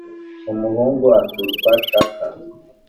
umuhungu akitwa shaka